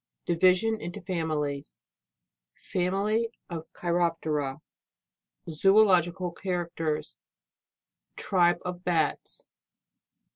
Division into families. Family of Cheirop tera. Zoological characters. Tribe of Dais.